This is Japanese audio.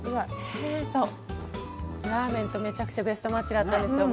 ラーメンとめちゃくちゃベストマッチだったんですよ。